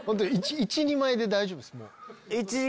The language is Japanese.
１２枚で大丈夫ですもう。